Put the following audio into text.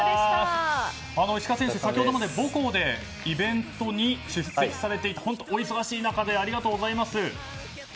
石川選手、先ほどまで母校でイベントに出席されて本当、お忙しい中ありがとうございます。